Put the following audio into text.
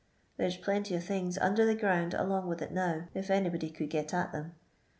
There 's plenty o' things under the ground along with it now, if anybody could git at them.